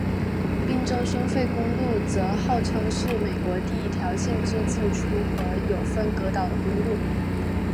宾州收费公路则号称是美国第一条限制进出和有分隔岛的公路。